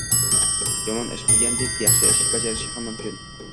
Yomon ish qilganidek, yaxshi ish bajarishi ham mumkin.